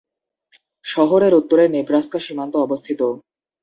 শহরের উত্তরে নেব্রাস্কা সীমান্ত অবস্থিত।